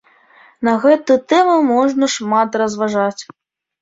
На гэту тэму можна шмат разважаць.